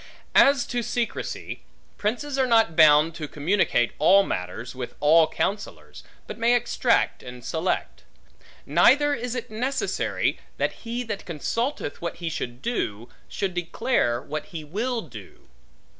As to secrecy; princes are not bound to communicate all matters, with all counsellors; but may extract and select. Neither is it necessary, that he that consulteth what he should do, should declare what he will do.